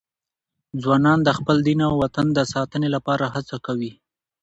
ځوانان د خپل دین او وطن د ساتنې لپاره هڅه کوي.